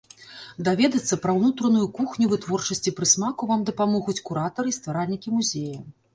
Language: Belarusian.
Даведацца пра ўнутраную кухню вытворчасці прысмаку вам дапамогуць куратары і стваральнікі музея.